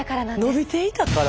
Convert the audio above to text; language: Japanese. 伸びていたから？